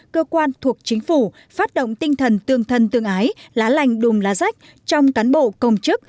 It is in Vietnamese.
cơ quan thuộc chính phủ phát động tinh thần tương thân tương ái lá lành đùm lá rách trong cán bộ công chức